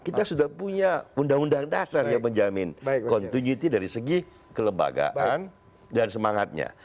kita sudah punya undang undang dasar yang menjamin continuity dari segi kelembagaan dan semangatnya